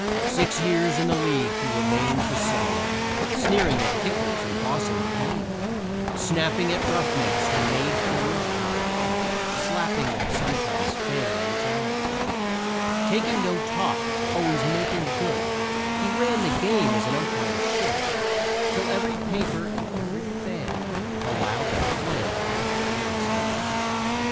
Six years in the league he remained the same, Sneering at kickers and bossing the game, Snapping at roughnecks who made foolish howls, Slapping them, sometimes, fair on the jowls; Taking no talk, always making good, He ran the game as an umpire should, Till every paper and every fan Allowed that Flynn was a fearless man.